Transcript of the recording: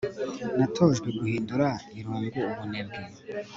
natojwe guhindura irungu mubunebwe